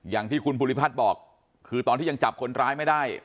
อย่างที่คุณภูริพัฒน์บอกคือตอนที่ยังจับคนร้ายไม่ได้